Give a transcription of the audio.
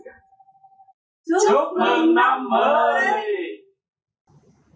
chúc mừng năm mới